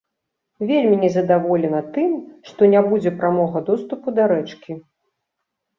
Вельмі незадаволена тым, што не будзе прамога доступу да рэчкі.